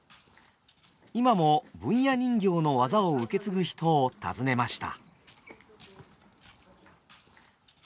今も文弥人形の技を受け継ぐ人を訪ねました。